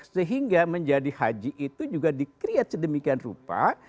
sehingga menjadi haji itu juga di create sedemikian rupa